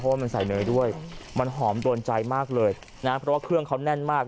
เพราะว่ามันใส่เนยด้วยมันหอมโดนใจมากเลยนะเพราะว่าเครื่องเขาแน่นมาก